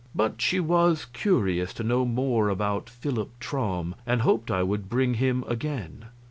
But she was curious to know more about Philip Traum, and hoped I would bring him again.